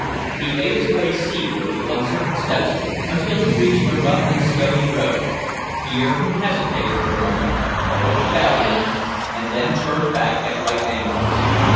He made his way seaward with uncertain steps until he reached a rough and stony road; here he hesitated for a moment, looked about him, and then turned back at right angles.